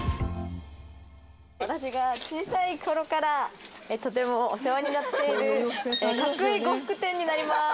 私が小さい頃からとてもお世話になっているかくい呉服店になります。